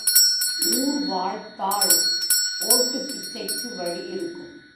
ஊர் வாழ்த்தால் ஓட்டுப் பிச்சைக்கு வழி இருக்கும்.